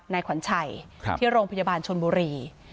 ขวัญชัยที่โรงพยาบาลชนบุรี